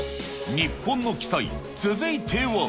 日本の奇祭、続いては。